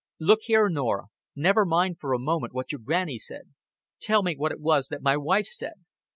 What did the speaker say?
"Look here, Norah, never mind for a moment what your Granny said. Tell me what it was that my wife said."